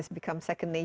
kembali ke keadaan kedua